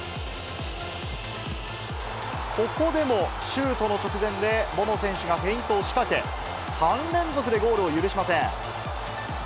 ここでもシュートの直前で、ボノ選手がフェイントを仕掛け、３連続でゴールを許しません。